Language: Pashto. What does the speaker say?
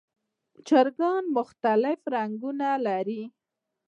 چرګان مختلف رنګونه لري.